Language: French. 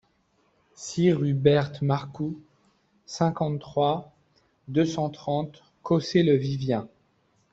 six rue Berthe Marcou, cinquante-trois, deux cent trente, Cossé-le-Vivien